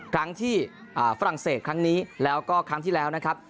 ครั้งที่ฝรั่งเศสครั้งนี้แล้วก็ครั้งที่แล้วนะครับ